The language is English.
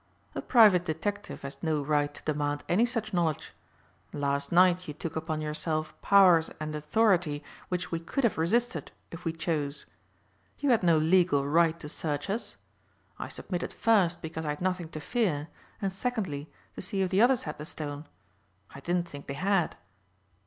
"A private detective has no right to demand any such knowledge. Last night you took upon yourself powers and authority which we could have resisted if we chose. You had no legal right to search us. I submitted first because I had nothing to fear and secondly to see if the others had the stone. I didn't think they had."